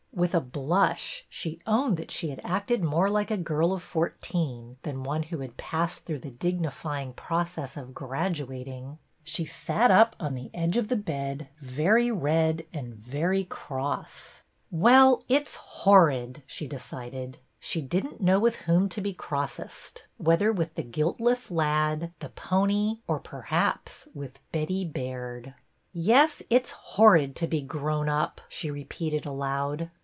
With a blush she owned that she had acted more like a girl of fourteen than one who had passed through the dignifying process of graduating. She sat up on the edge of the bed, very red and very cross. Well, it 's horrid," she decided. She did n't 38 BETTY BAIRD'S VENTURES know with whom to be Grossest, whether with the guiltless lad, the pony, or, perhaps, with Betty Baird. " Yes, it 's horrid to be grown up," she repeated aloud.